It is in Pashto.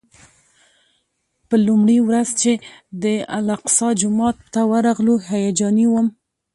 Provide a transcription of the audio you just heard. په لومړۍ ورځ چې د الاقصی جومات ته ورغلو هیجاني وم.